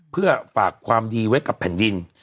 เพื่อฝากความดีไว้กับแผ่นดิน